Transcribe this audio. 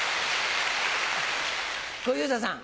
小遊三さん。